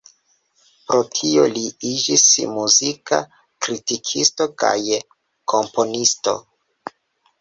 Pro tio li iĝis muzika kritikisto kaj komponisto.